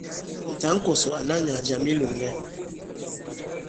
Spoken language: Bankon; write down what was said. Mɛ̀ tǎŋ kòsòk àna nyàà jàm i ilòŋgɛ.